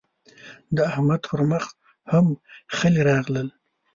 د احمد پر مخ هم خلي راغلل.